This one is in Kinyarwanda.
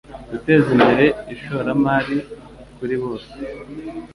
guteza imbere ishoramari kuri bose